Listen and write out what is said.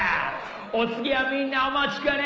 お次はみんなお待ちかね。